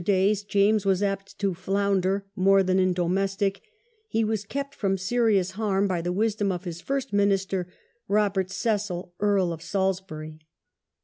days James was apt to flounder more than in domestic, he was kept from serious harm by the wisdom of his first minister, Robert Cecil, Earl of Salisbury.